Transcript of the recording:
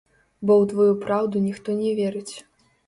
Бо ў тваю праўду ніхто не верыць.